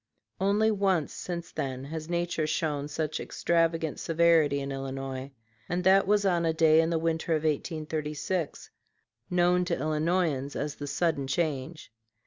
Only once since then has nature shown such extravagant severity in Illinois, and that was on a day in the winter of 1836, known to Illinoisans as "the sudden change."